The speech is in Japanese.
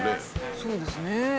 そうですね。